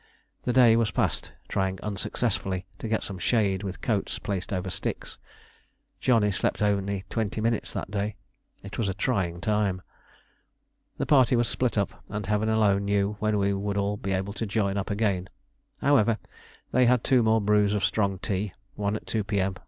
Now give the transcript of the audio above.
The day was passed trying unsuccessfully to get some shade with coats placed over sticks. Johnny slept only twenty minutes that day, it was a trying time. The party was split up, and Heaven alone knew when we should all be able to join up again. However, they had two more brews of strong tea one at 2 P.M.